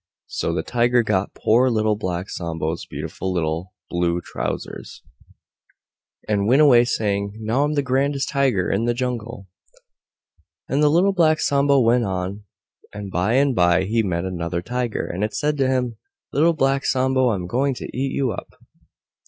So the Tiger got poor Little Black Sambo's beautiful little Blue Trousers, and went away saying, "Now I'm the grandest Tiger in the Jungle." And Little Black Sambo went on, and by and by he met another Tiger, and it said to him, "Little Black Sambo, I'm going to eat you up!"